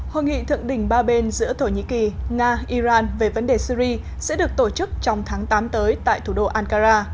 hội nghị thượng đỉnh ba bên giữa thổ nhĩ kỳ nga iran về vấn đề syri sẽ được tổ chức trong tháng tám tới tại thủ đô ankara